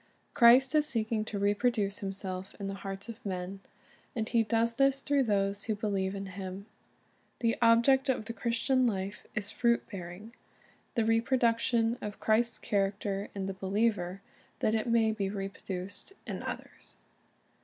Christ is seeking to reproduce Himself in the hearts of men; and He does this through those who believe in Him. The object of the Christian life is fruit bearing, — the reproduction of Christ's character in the believer, that it may be reproduced in others.